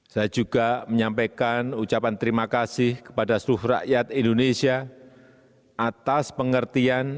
saya juga menyampaikan ucapan terima kasih kepada seluruh rakyat indonesia atas pengertian